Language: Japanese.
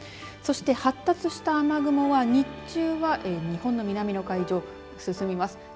そして、発達した雨雲は日中は日本の南の海上に進みます。